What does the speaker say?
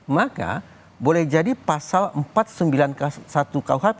maka boleh jadi pasal empat ratus sembilan puluh satu kuhp